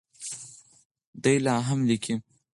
دی لا هم لیکي.